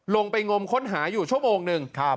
ลงไปงมค้นหาอยู่ชั่วโมงหนึ่ง